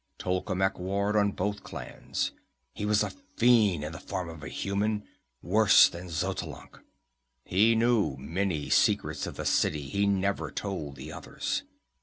"Tolkemec warred on both clans. He was a fiend in the form of a human, worse than Xotalanc. He knew many secrets of the city he never told the others.